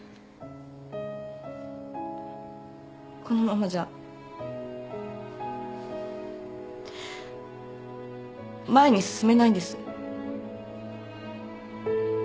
このままじゃ前に進めないんです。